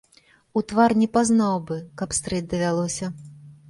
У твар не пазнаў бы, каб стрэць давялося.